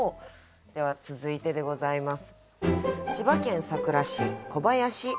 では続いてでございます。